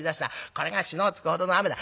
これがしのを突くほどの雨だ。